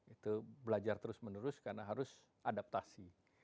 itu belajar terus menerus karena harus adaptasi